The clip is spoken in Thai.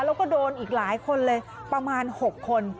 แล้วก็โดนอีกหลายคนเลยประมาณ๖คน